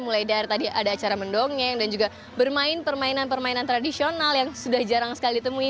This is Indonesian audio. mulai dari tadi ada acara mendongeng dan juga bermain permainan permainan tradisional yang sudah jarang sekali ditemui